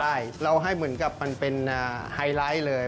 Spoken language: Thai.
ใช่เราให้เหมือนกับมันเป็นไฮไลท์เลย